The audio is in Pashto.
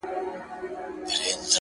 ما ستا په شربتي سونډو خمار مات کړی دی ـ